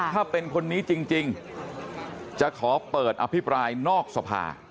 ถ้าเป็นคนนี้จริงจะขอเปิดอภิปรายนอกสภา